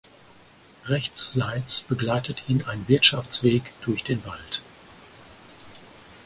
Rechtsseits begleitet ihn ein Wirtschaftsweg durch den Wald.